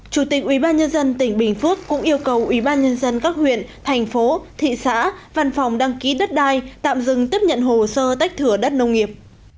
chủ tịch ubnd tỉnh bình phước cũng yêu cầu ubnd các huyện thành phố thị xã văn phòng đăng ký đất đai tạm dừng tiếp nhận hồ sơ tách thửa đất nông nghiệp